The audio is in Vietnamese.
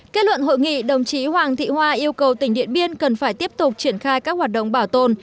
kết luận hội nghị đồng chí hoàng thị hoa yêu cầu tỉnh điện biên cần phải tiếp tục triển khai các hoạt động bảo tồn